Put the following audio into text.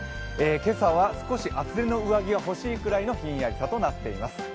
今朝は少し厚手の上着が欲しいくらいのひんやりさとなっています。